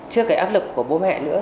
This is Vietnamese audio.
chưa kể áp lực của bố mẹ nữa